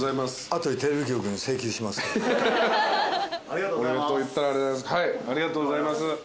ありがとうございます。